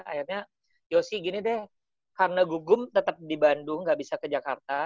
akhirnya yosi gini deh karena gugum tetap di bandung gak bisa ke jakarta